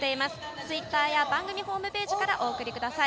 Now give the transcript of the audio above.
ツイッターや番組ホームページから送ってください。